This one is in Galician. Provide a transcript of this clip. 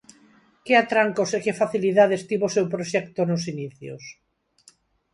Que atrancos e facilidades tivo o seu proxecto nos inicios?